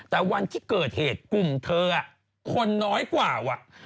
แต่วันที่เกิดเหตุกลุ่มเธอคนน้อยกว่า